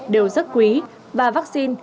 đều rất quý và vaccine